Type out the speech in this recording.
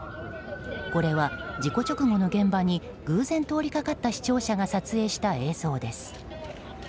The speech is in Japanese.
これは事故直後の現場に偶然、通りかかった視聴者が撮影した映像です。